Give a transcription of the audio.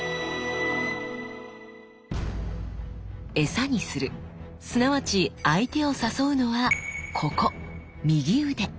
餌にするすなわち相手を誘うのはここ右腕！